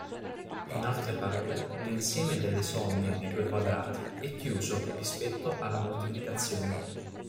In altre parole, l'insieme delle somme di due quadrati è chiuso rispetto alla moltiplicazione.